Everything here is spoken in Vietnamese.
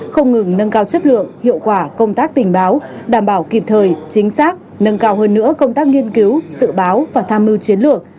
không ngừng nâng cao chất lượng hiệu quả công tác tình báo đảm bảo kịp thời chính xác nâng cao hơn nữa công tác nghiên cứu dự báo và tham mưu chiến lược